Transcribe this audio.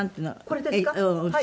これですか？